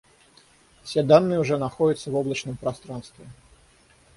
Все данные уже находятся в облачном пространстве